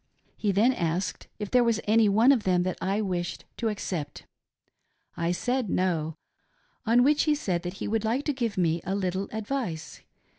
He then asked if there was any one ol them that I wished to accept. I said, " No," on which he said that he would like to give me a little advice.